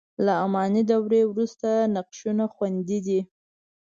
له اماني دورې وروسته نقشونه خوندي دي.